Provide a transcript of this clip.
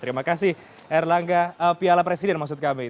terima kasih erlangga piala presiden maksud kami